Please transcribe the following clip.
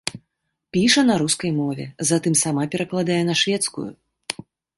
Піша на рускай мове, затым сама перакладае на шведскую.